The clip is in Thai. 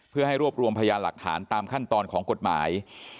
เพื่อให้รวบรวมพยานหลักฐานตามขั้นตอนของกฎหมาย